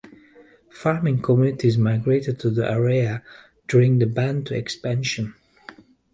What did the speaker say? Farming communities migrated to the area during the Bantu expansion